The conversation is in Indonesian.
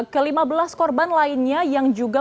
ke lima belas korban lainnya yang juga